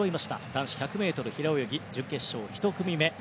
男子１００ｍ平泳ぎ準決勝１組目。